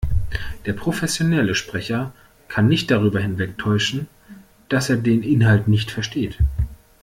Der professionelle Sprecher kann nicht darüber hinwegtäuschen, dass er den Inhalt nicht versteht.